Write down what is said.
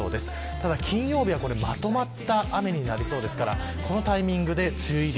ただ、金曜日はまとまった雨になりそうですからこのタイミングで梅雨入り。